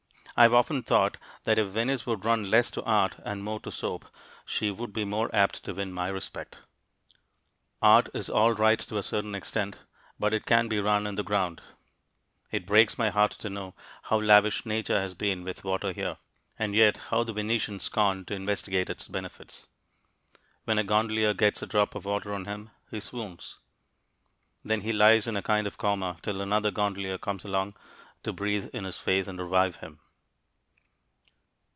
I have often thought that if Venice would run less to art and more to soap, she would be more apt to win my respect. Art is all right to a certain extent, but it can be run in the ground. It breaks my heart to know how lavish nature has been with water here, and yet how the Venetians scorn to investigate its benefits. When a gondolier gets a drop of water on him, he swoons. Then he lies in a kind of coma till another gondolier comes along to breathe in his face and revive him.